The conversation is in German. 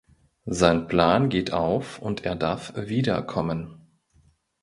Sein Plan geht auf und er darf wiederkommen.